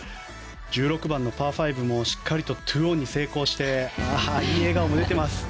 １６番のパー５もしっかりと２オンに成功していい笑顔も出ています。